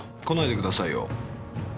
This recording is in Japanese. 来ないでくださいよ。